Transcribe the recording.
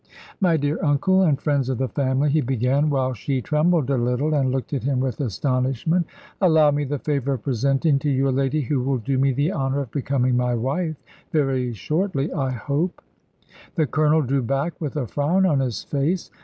"My dear uncle, and friends of the family," he began, while she trembled a little, and looked at him with astonishment; "allow me the favour of presenting to you a lady who will do me the honour of becoming my wife, very shortly, I hope." The Colonel drew back with a frown on his face.